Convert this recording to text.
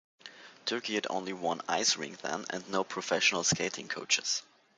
Turkey had only one ice rink then, and no professional skating coaches.